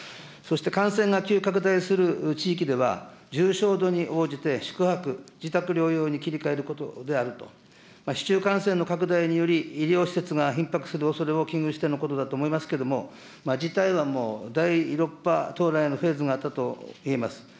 そして感染が急拡大する地域では、重症度に応じて、宿泊・自宅療養に切り替えることであると、市中感染の拡大により、医療施設がひっ迫するおそれを危惧してのことだと思いますけれども、事態はもう、第６波到来のフェーズがあったといえます。